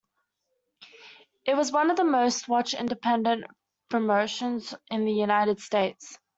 It was one of the most-watched independent promotions in the United States.